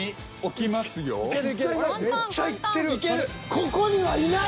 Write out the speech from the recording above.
ここにはいない。